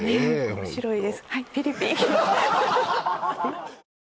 面白いです